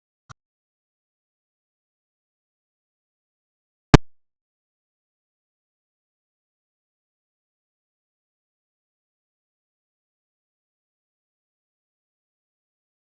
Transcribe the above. บอกเท่านี้ว่าถ้าแกขดมันบาดเกินไปเรื่อยแล้วว่าแกจะไม่มีเศร้าโรงงาน